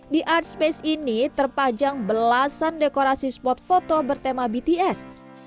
di art space ini terpajang belasan dekorasi spot foto bertema bts